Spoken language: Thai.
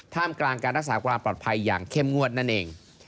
มกลางการรักษาความปลอดภัยอย่างเข้มงวดนั่นเอง